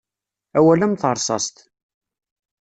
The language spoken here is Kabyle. Awal am terṣṣaṣt.